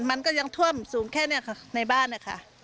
มันก็ยังท่วมสูงแค่นี้ค่ะในบ้านนะคะ